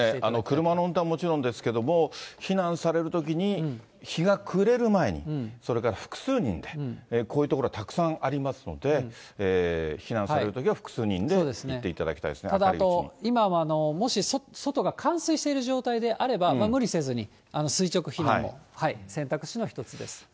車の運転はもちろんですけども、避難されるときに日が暮れる前にそれから複数人で、こういう所、たくさんありますので、避難されるときは複数人で行っていただきたいですね、明ただ、今はもし外が冠水している状態であれば無理せずに垂直非難も選択肢の一つです。